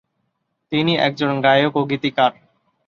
তিনি একজন গায়ক ও গীতিকার।